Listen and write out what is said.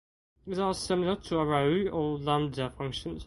these are similar to arrow or lambda functions